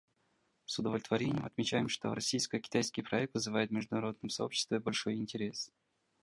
С удовлетворением отмечаем, что российско-китайский проект вызывает в международном сообществе большой интерес.